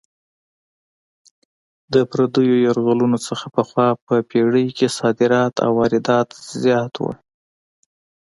د پردیو یرغلونو څخه پخوا په پېړۍ کې صادرات او واردات زیات وو.